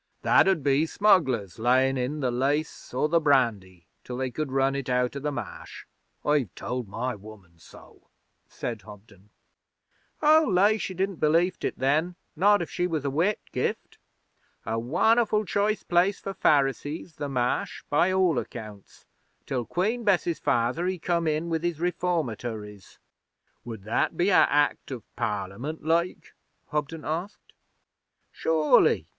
'That 'ud be smugglers layin' in the lace or the brandy till they could run it out o' the Marsh. I've told my woman so,' said Hobden. 'I'll lay she didn't belieft it, then not if she was a Whitgift. A won'erful choice place for Pharisees, the Marsh, by all accounts, till Queen Bess's father he come in with his Reformatories.' 'Would that be a Act of Parliament like?' Hobden asked. 'Sure ly.